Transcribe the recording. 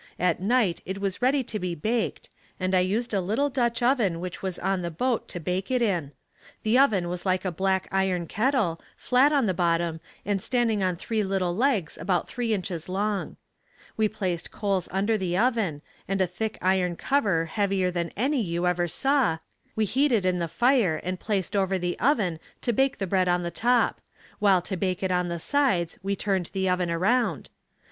At night it was ready to be baked and I used a little Dutch oven which was on the boat to bake it in. The oven was like a black iron kettle flat on the bottom and standing on three little legs about three inches long. We placed coals under the oven and a thick iron cover heavier than any you ever saw, we heated in the fire and placed over the oven to bake the bread on the top, while to bake it on the sides we turned the oven around.